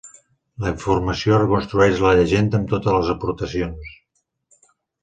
La informació reconstrueix la llegenda amb totes les aportacions.